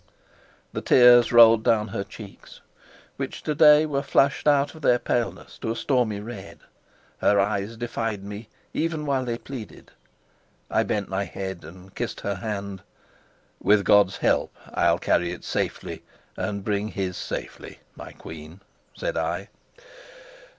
The tears rolled down her cheeks, which to day were flushed out of their paleness to a stormy red; her eyes defied me even while they pleaded. I bent my head and kissed her hand. "With God's help I'll carry it safely and bring his safely, my queen," said I.